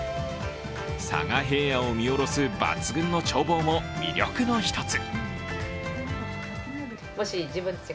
佐賀平野を見下ろす抜群の眺望も魅力の１つ。